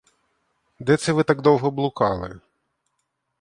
Де це ви так довго блукали?